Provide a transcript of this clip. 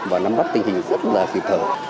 và nắm bắt tình hình rất là kịp thở